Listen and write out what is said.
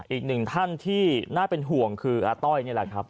อีกหนึ่งท่านที่น่าเป็นห่วงคืออาต้อยนี่แหละครับ